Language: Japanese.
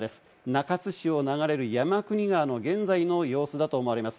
中津市を流れる山国川の現在の様子だと思われます。